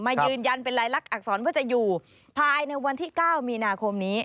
ยืนยันเป็นรายลักษณอักษรว่าจะอยู่ภายในวันที่๙มีนาคมนี้